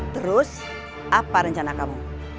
terus apa rencana kamu